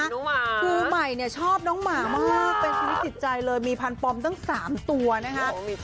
ครูไหมชอบน้องหมามากเป็นชีวิตสิทธิ์ใจเลยมีพันธุ์ปอมทั้ง๓ตัวนะคะ